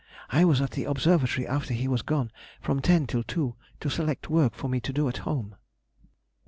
I was at the Observatory after he was gone, from ten till two, to select work for me to do at home.